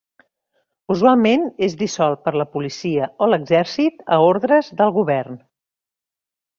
Usualment és dissolt per la policia o l'exèrcit a ordres del govern.